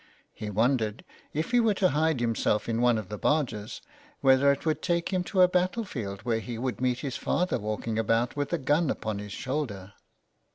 He wondered if he were to hide himself in one of the barges whether it would take him to a battlefield where he would meet his father walking about with a gun upon his shoulder